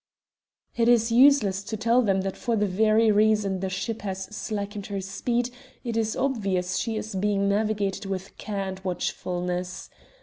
It is useless to tell them that for the very reason the ship has slackened her speed it is obvious she is being navigated with care and watchfulness.